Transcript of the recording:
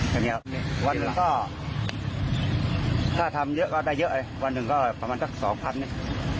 ทีนี้วันหนึ่งก็ถ้าทำเยอะก็ได้เยอะเลยวันหนึ่งก็ประมาณสักสองพันเนี่ย